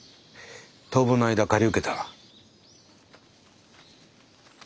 当分の間借り受けた。